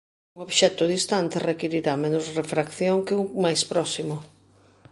Un obxecto distante requirirá menos refracción que un máis próximo.